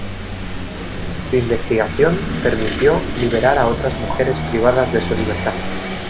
Su investigación permitió liberar a otras mujeres privadas de su libertad.